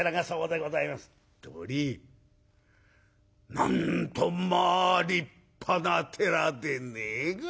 なんとまあ立派な寺でねえがい。